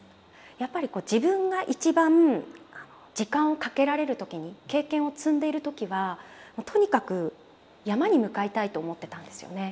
やっぱりこう自分が一番時間をかけられる時に経験を積んでいる時はとにかく山に向かいたいと思ってたんですよね。